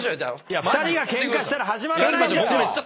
２人がケンカしたら始まらないんですよ！